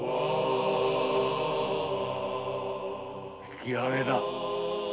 引き揚げだ。